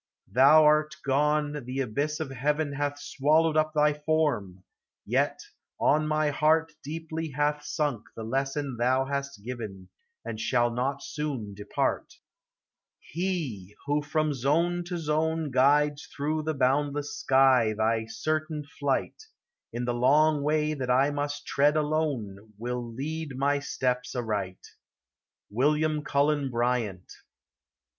Thou 'rt gone, the abyss of heaven Hath swallowed up thy form; yet, on my heart Deeply hath sunk the lesson thou hast given, And shall not soon depart: He who, from zone to zone, Guides through the boundless sky thy certain flight, In the long way that I must tread alone, Will lead my steps aright. WILLIAM CULLEX BRYANT.